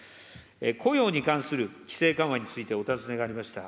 雇用に関する規制緩和についてお尋ねがありました。